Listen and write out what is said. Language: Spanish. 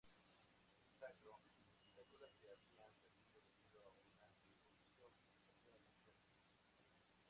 El sacro y la cola se habían perdido debido a una erosión relativamente reciente.